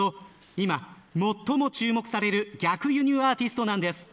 今、最も注目される逆輸入アーティストなんです。